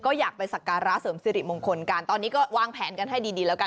ก็อยากไปสักการะเสริมสิริมงคลกันตอนนี้ก็วางแผนกันให้ดีแล้วกัน